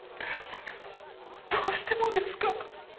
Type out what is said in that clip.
どうしてもですか？